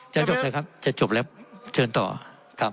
จะจบเลยครับจะจบแล้วเชิญต่อครับ